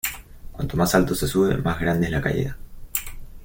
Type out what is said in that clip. Cuanto más alto se sube más grande es la caída.